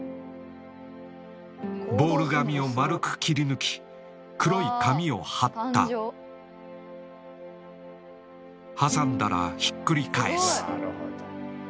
ボール紙を丸く切り抜き黒い紙を貼ったはさんだらひっくり返す。